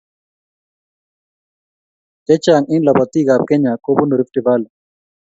Che chang eng lobotii ab Kenya kobunuu Rift Valley